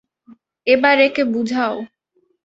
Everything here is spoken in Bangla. এবার একে বুঝাও।